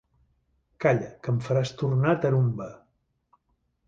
Calla, que em faràs tornar tarumba!